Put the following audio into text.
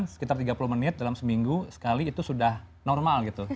sekitar tiga puluh menit dalam seminggu sekali itu sudah normal gitu